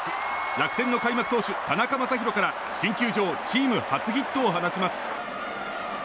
楽天の開幕投手、田中将大から新球場チーム初ヒットを放ちます。